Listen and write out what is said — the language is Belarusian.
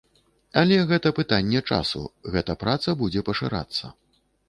Але гэта пытанне часу, гэта праца будзе пашырацца.